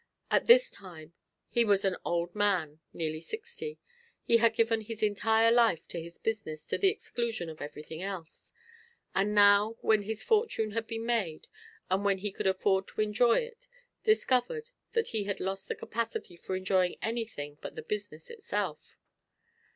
At this time he was an old man, nearly sixty. He had given his entire life to his business to the exclusion of everything else, and now when his fortune had been made and when he could afford to enjoy it, discovered that he had lost the capacity for enjoying anything but the business itself.